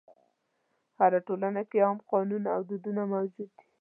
هره ټولنه کې عام قانون او دودونه موجود وي.